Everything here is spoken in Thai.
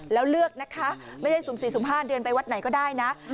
แล้วเลือกนะคะไม่ได้สุ่ม๔สุ่ม๕เดือนไปวัดไหนก็ได้นะ